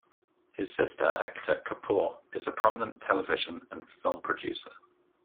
His sister Ekta Kapoor is a prominent television and film producer.